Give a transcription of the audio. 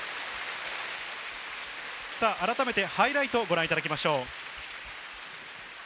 あらためてハイライトをご覧いただきましょう。